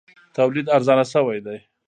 تولید ارزانه شوی دی.